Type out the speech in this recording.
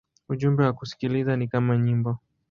Ujumbe wa kusikiliza ni kama nyimbo.